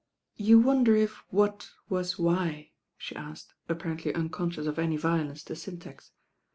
"You wonder if what wat why?" the atked, apparently uncontdout of any violence to tyntax.